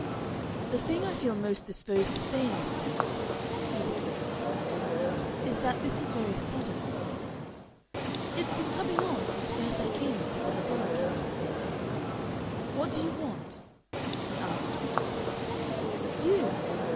"The thing I feel most disposed to say, Miss Stanley," he began at last, "is that this is very sudden." "It's been coming on since first I came into the laboratory." "What do you want?" he asked, bluntly. "You!"